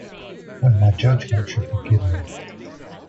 When my judgment should be given.